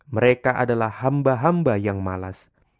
mereka adalah hamba hamba yang malas